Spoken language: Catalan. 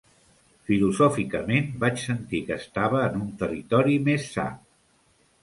Filosòficament vaig sentir que estava en un territori més sa.